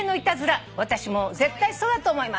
「私も絶対そうだと思います」